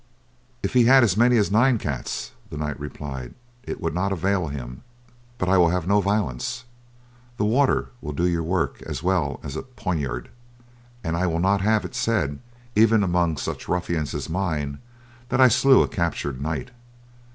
"If he had as many as nine cats," the knight replied, "it would not avail him. But I will have no violence. The water will do your work as well as a poinard, and I will not have it said, even among such ruffians as mine, that I slew a captured knight.